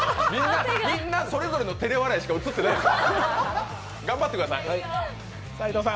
みんなそれぞれの照れ笑いしか映ってないです。